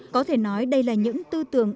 có thể nói đây là những tư tưởng